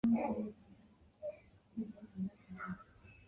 乔玄副克里介为荆花介科副克里介属下的一个种。